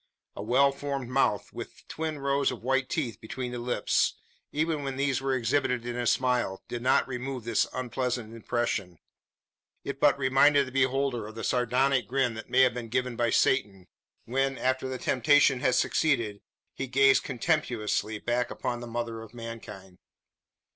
A well formed mouth, with twin rows of white teeth between the lips, even when these were exhibited in a smile, did not remove this unpleasant impression. It but reminded the beholder of the sardonic grin that may have been given by Satan, when, after the temptation had succeeded, he gazed contemptuously back upon the mother of mankind.